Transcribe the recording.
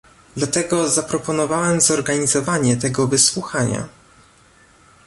Dlatego zaproponowałem zorganizowanie tego wysłuchania